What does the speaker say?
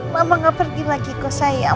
mama gak pergi lagi kok sayang